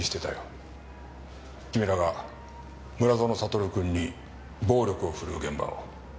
君らが村園サトル君に暴力を振るう現場を。